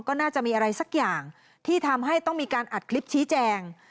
ก็น่าจะมีอะไรสักอย่างที่ทำให้ต้องมีการอัดคลิปชี้แจง